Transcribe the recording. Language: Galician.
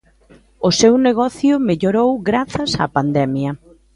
O seu negocio mellorou grazas á pandemia.